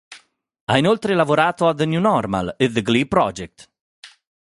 Ha inoltre lavorato a "The New Normal" e "The Glee Project".